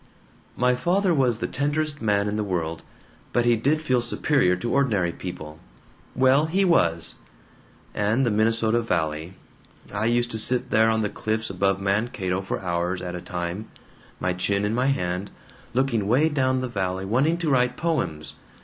"My father was the tenderest man in the world, but he did feel superior to ordinary people. Well, he was! And the Minnesota Valley I used to sit there on the cliffs above Mankato for hours at a time, my chin in my hand, looking way down the valley, wanting to write poems.